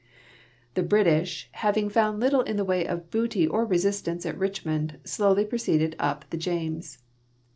The British having found little in the way of booty or re.sist ance at Richmond slowly proceeded up tiie James.